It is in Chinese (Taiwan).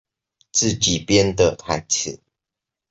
自己編的台詞